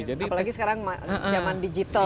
apalagi sekarang zaman digital